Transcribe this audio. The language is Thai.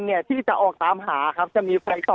เพราะว่าจะต้องใช้เวลาพอสมควรครับเป็นเหตุมาเมืองกระบุรนิทัย